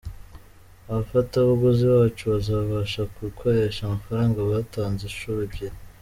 Abafatabuguzi bacu bazabasha gukoresha amafaranga batanze inshuro ebyiri.